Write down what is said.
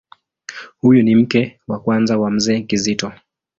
Huyu ni mke wa kwanza wa Mzee Kizito.